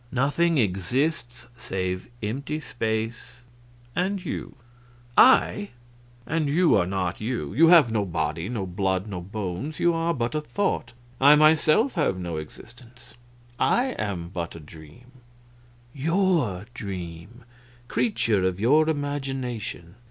Nothing exists save empty space and you!" "I!" "And you are not you you have no body, no blood, no bones, you are but a thought. I myself have no existence; I am but a dream your dream, creature of your imagination.